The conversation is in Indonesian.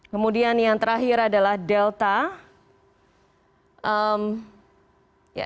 kemudian yang terakhir adalah delta